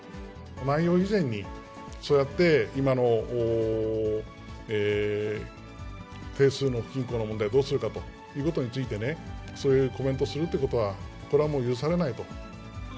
内容以前に、そうやって、今の定数の不均衡の問題をどうするかということについて、そういうコメントをするってことは、これはもう許されないと。